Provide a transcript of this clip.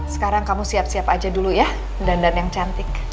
sekarang kamu siap siap aja dulu ya dandan yang cantik